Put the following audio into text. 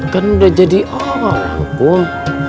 kan udah jadi orang tua